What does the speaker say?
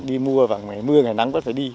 đi mua và ngày mưa ngày nắng vẫn phải đi